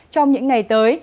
trong những ngày tới